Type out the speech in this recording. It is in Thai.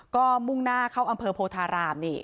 ก็มุ่งหน้าเข้าอำเภอโพธารามนี่